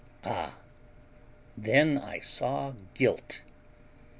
Ah, then I saw guilt!